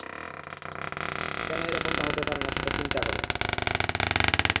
কেন এরকমটা হতে পারে না সেটা চিন্তা করে।